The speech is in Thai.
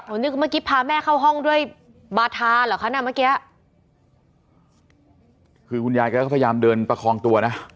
นี่ก็เมื่อกี้พาแม่เข้าห้องด้วยบาทาเหรอคะน่ะเมื่อกี้คือคุณยายแกก็พยายามเดินประคองตัวนะ